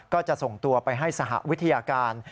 ก็จะส่งตัวไปให้สหวิทยาการ